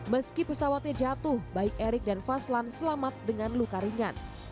meski pesawatnya jatuh baik erik dan faslan selamat dengan luka ringan